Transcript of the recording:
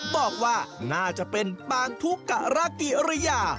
บอกว่าน่าจะเป็นปานทุกกรกิริยา